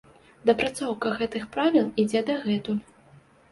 Дапрацоўка гэтых правіл ідзе дагэтуль.